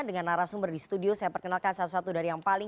dan seperti biasanya ya kami